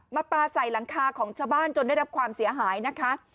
ปลาใส่หลังคาของชาวบ้านจนได้รับความเสียหายนะคะ